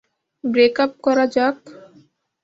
Break up করা যাক!